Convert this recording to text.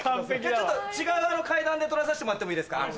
違う階段で撮らさせてもらってもいいですか？